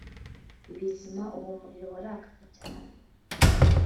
ibizima uwo muriro warakaga cyane